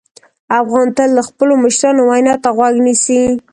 افغان تل د خپلو مشرانو وینا ته غوږ نیسي.